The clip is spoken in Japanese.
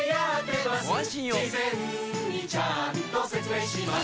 事前にちゃんと説明します